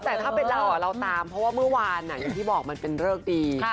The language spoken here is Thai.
แต่ถ้าเป็นเราเราตามเพราะว่าเมื่อวานอย่างที่บอกมันเป็นเริกดี